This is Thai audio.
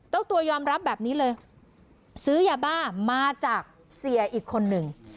ตัวยอมรับแบบนี้เลยซื้อยาบ้ามาจากเสียอีกคนหนึ่ง